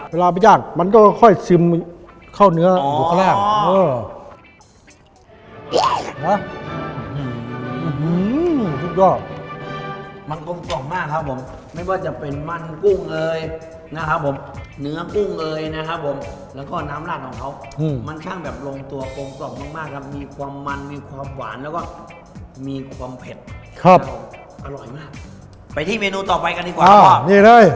เวลาไปยากมันก็ค่อยซิมเข้าเนื้ออยู่ข้างบน